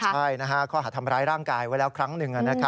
ใช่ข้อหาทำร้ายร่างกายไว้แล้วครั้งหนึ่ง